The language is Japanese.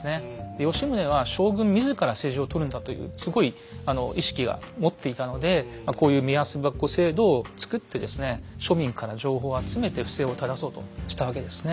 で吉宗は将軍自ら政治をとるんだというすごい意識が持っていたのでこういう目安箱制度を作ってですね庶民から情報を集めて不正を正そうとしたわけですね。